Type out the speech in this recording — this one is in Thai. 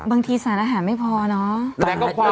บางทีสารอาหารไม่พอเนาะ